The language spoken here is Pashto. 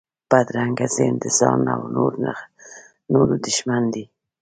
بدرنګه ذهن د ځان او نورو دښمن دی